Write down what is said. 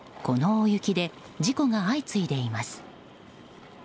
この大雪で事故が相次いでいます。